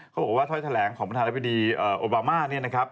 เค้าบอกว่าถ้อยแถลงของปฐานราชวิตดีโอบารักษณ์